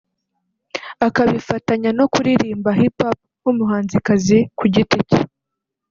akabifatanya no kuririmba Hip Hop nk’umuhanzikazi ku giti cye